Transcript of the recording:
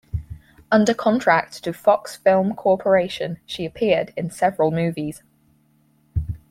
Under contract to Fox Film Corporation, she appeared in several movies.